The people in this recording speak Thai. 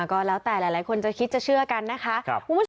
ก็แล้วแต่หลายคนจะคิดจะเชื่อกันนะคะ